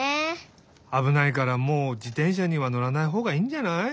あぶないからもう自転車にはのらないほうがいいんじゃない？